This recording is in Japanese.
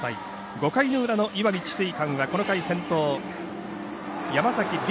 ５回の裏の石見智翠館はこの回先頭、山崎凌